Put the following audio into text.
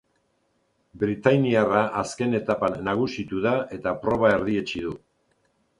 Britainiarra azken etapan nagusitu da eta proba erdietsi du.